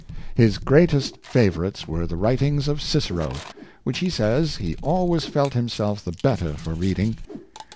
His greatest favorites were the writings of Cicero, which he says he always felt himself the better for reading.